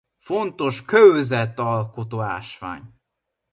Fontos kőzetalkotó ásvány.